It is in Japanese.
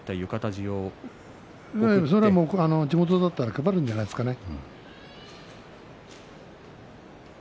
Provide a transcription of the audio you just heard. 地元だったら配るんじゃないですかね。